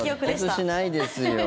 直結しないですよ。